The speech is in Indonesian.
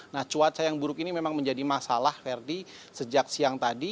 nah cuaca yang buruk ini memang menjadi masalah ferdi sejak siang tadi